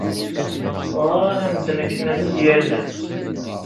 Ɣriɣ i medden akken ad iyi-allen.